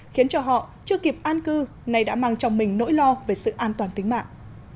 khiến cho họ chưa kịp an cư này đã mang trong mình nỗi lo về sự an toàn tính mạng